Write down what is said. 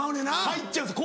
入っちゃうんです